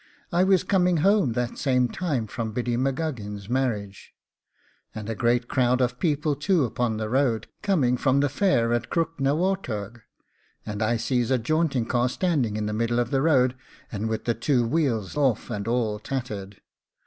'I was coming home that same time from Biddy M'Guggin's marriage, and a great crowd of people too upon the road, coming from the fair of Crookaghnawaturgh, and I sees a jaunting car standing in the middle of the road, and with the two wheels off and all tattered.